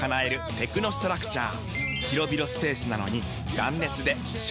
テクノストラクチャー！